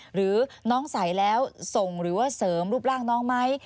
หรือน้องใส่แล้วส่งหรือว่าเสริมรูปร่างน้องไหม